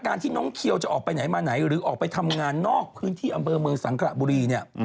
ที่น้องเคียวจะออกไปไหนมาไหนหรือออกไปทำงานนอกพื้นที่อำเภอเมืองสังขระบุรีเนี่ย